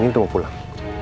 ini dia mau pulang